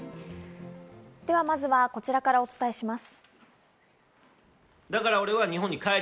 では、まずはこちらからお伝えします。